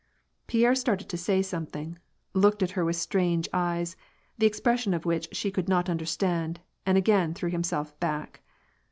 l Pierre started to say something, looked at her with strange I eyes, the expression of which she could not understand, and [ again threw himself back.